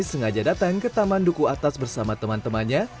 sengaja datang ke taman duku atas bersama teman temannya